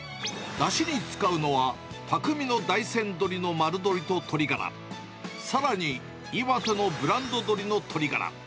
だしに使うのは、匠の大山鶏の丸鶏と鶏ガラ、さらに岩手のブランド鶏の鶏ガラ。